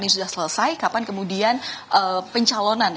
ini sudah selesai kapan kemudian pencalonan